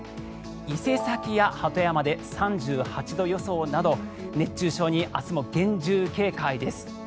伊勢崎や鳩山で３８度予想など熱中症に明日も厳重警戒です。